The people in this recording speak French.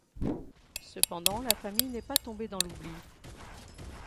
Cependant la famille n'est pas tombée dans l'oubli.